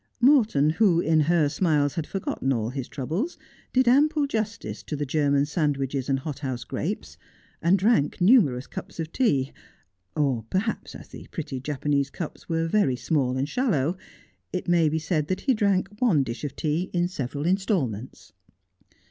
Morton, who in her smiles had forgotten all his troubles, did ample justice to the German sandwiches and hot house grapes, and drank numerous cups of tea — or perhaps, as the pretty Japanese cups were very small and shallow, it may be said that he drank one dish of tea in several instalments.